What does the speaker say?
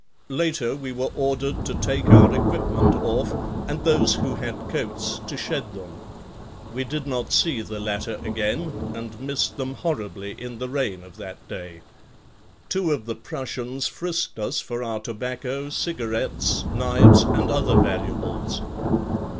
Later we were ordered to take our equipment off and those who had coats, to shed them. We did not see the latter again and missed them horribly in the rain of that day. Two of the Prussians "frisked" us for our tobacco, cigarettes, knives and other valuables.